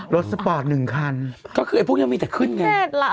สปอร์ต๑คันก็คือไอ้พวกนี้มีแต่ขึ้นไง